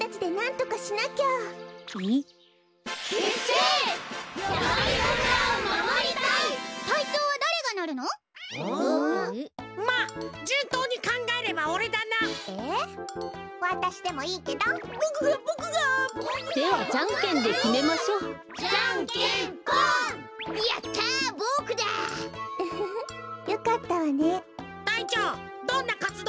たいちょうどんなかつどうをするんだ？